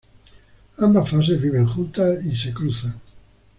Ambas fases viven juntas y se cruzan.